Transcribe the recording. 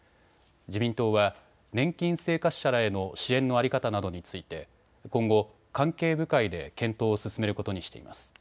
自民党は年金生活者らへの支援の在り方などについて今後、関係部会で検討を進めることにしています。